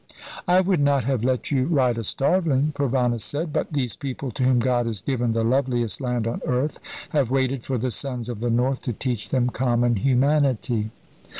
"I would not have let you ride a starveling," Provana said; "but these people to whom God has given the loveliest land on earth have waited for the sons of the North to teach them common humanity."